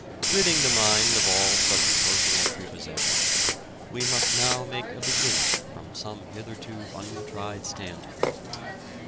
Ridding the mind of all such personal pre possessions, we must now make a beginning from some hitherto untried standpoint.